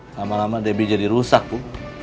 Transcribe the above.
lama lama debit jadi rusak bu